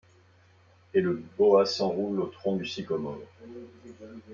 Et le boa s’enroule au tronc du sycomore